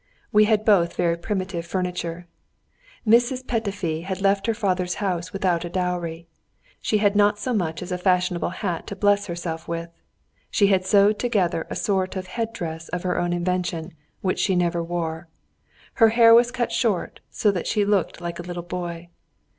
We had both very primitive furniture. Mrs. Petöfi had left her father's house without a dowry; she had not so much as a fashionable hat to bless herself with; she had sewed herself together a sort of head dress of her own invention, which she never wore. Her hair was cut short, so that she looked like a little boy.